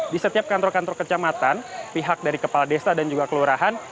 di setiap kantor kantor kecamatan pihak dari kepala desa dan juga kelurahan